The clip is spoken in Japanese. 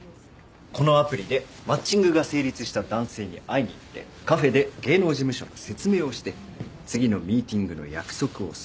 このアプリでマッチングが成立した男性に会いに行ってカフェで芸能事務所の説明をして次のミーティングの約束をする。